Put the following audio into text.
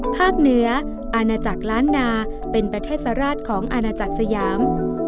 เหนืออาณาจักรล้านนาเป็นประเทศสราชของอาณาจักรสยาม